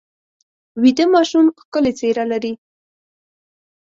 ویده ماشوم ښکلې څېره لري